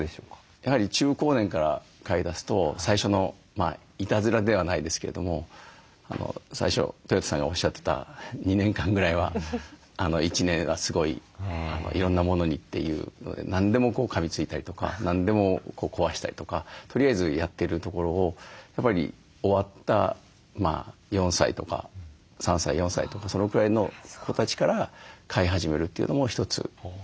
やはり中高年から飼いだすと最初のいたずらではないですけれども最初とよたさんがおっしゃってた２年間ぐらいは１年はすごいいろんなものにというので何でもかみついたりとか何でも壊したりとかとりあえずやってるところをやっぱり終わった４歳とか３歳４歳とかそのぐらいの子たちから飼い始めるというのも一つ手だと思います。